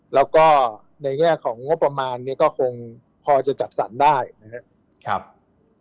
แล้วก็ในแง่ของงบประมาณเนี่ยก็คงพอจะจัดสรรได้นะครับ